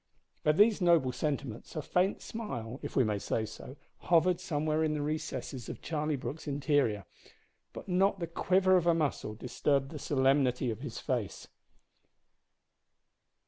At these noble sentiments a faint smile, if we may say so, hovered somewhere in the recesses of Charlie Brooke's interior, but not the quiver of a muscle disturbed the solemnity of his face.